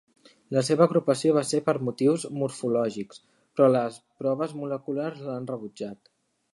La seva agrupació va ser per motius morfològics, però les proves moleculars l'han rebutjat.